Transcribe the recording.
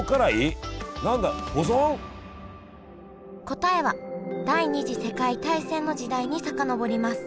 答えは第二次世界大戦の時代に遡ります。